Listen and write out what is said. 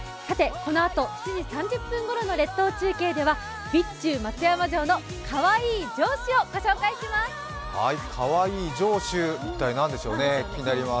このあと７時３０分ごろの列島中継では備中松山城のかわいい城主をご紹介します。